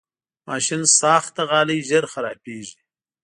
ماشینساخته غالۍ ژر خرابېږي.